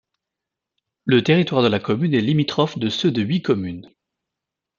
Le territoire de la commune est limitrophe de ceux de huit communes.